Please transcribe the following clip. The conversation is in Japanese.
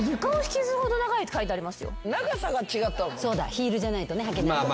ヒールじゃないとねはけないとか。